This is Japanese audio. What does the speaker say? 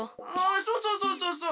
そうそうそうそうそう！